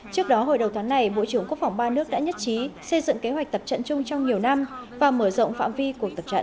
trước đó hồi đầu tháng này bộ trưởng quốc phòng ba nước đã nhất trí xây dựng kế hoạch tập trận chung trong nhiều năm và mở rộng phạm vi cuộc tập trận